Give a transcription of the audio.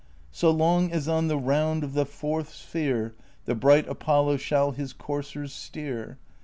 So long as on the round of the fourth sphere The bright Apollo shall his coursers steer.